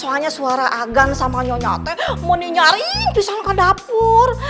soalnya suara agar sama nyonya teh mau nyanyarin di sana ke dapur